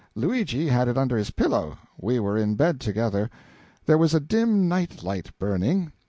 Luigi had it under his pillow; we were in bed together. There was a dim night light burning.